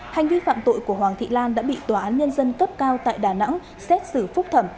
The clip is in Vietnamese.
hành vi phạm tội của hoàng thị lan đã bị tòa án nhân dân cấp cao tại đà nẵng xét xử phúc thẩm